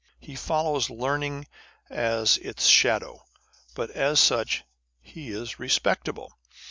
He follows learning as its shadow ; but as such, he is respectable.